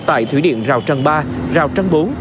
tại thủy điện rào trần ba rào trần bốn